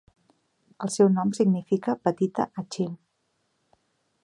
El seu nom significa "Petita Achill".